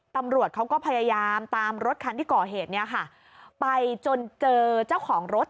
ตำรวจเขาก็พยายามตามรถคันที่ก่อเหตุเนี่ยค่ะไปจนเจอเจ้าของรถ